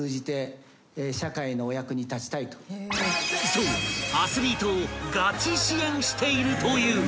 ［そうアスリートをガチ支援しているという］